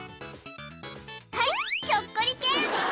「はいひょっこり犬」